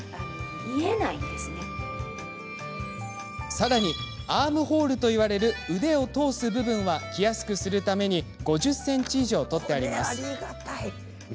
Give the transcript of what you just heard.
さらにアームホールといわれる腕を通す部分は着やすくするために５０ｃｍ以上取ってあります。